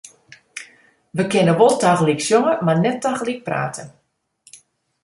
Wy kinne wol tagelyk sjonge, mar net tagelyk prate.